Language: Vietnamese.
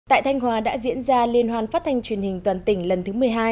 tại thanh hóa đã diễn ra liên hoàn phát thanh truyền hình toàn tỉnh lần thứ một mươi hai